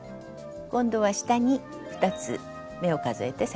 今度は下に２つ目を数えて刺します。